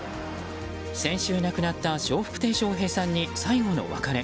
先週、亡くなった笑福亭笑瓶さんに最後の別れ。